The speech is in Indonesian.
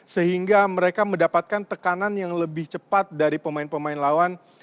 sehingga mereka mendapatkan tekanan yang lebih cepat dari pemain pemain lawan